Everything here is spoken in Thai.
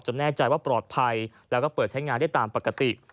แน่ใจว่าปลอดภัยแล้วก็เปิดใช้งานได้ตามปกติ